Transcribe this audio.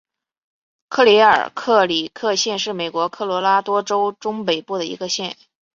克利尔克里克县是美国科罗拉多州中北部的一个县。